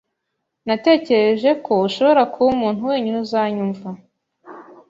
Natekereje ko ushobora kuba umuntu wenyine uzanyumva.